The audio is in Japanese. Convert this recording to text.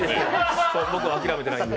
僕は諦めてないんで。